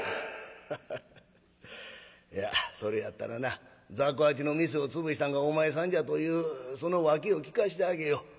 「ハハハいやそれやったらな雑穀八の店を潰したんがお前さんじゃというその訳を聞かしてあげよう。